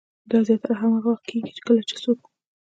دا زياتره هاغه وخت کيږي کله چې څوک